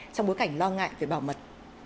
trong bối cảnh lo ngại về bảo mật